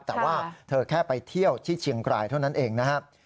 แต่ว่าเธอแค่ไปเที่ยวที่เชียงรายเท่านั้นเองนะครับ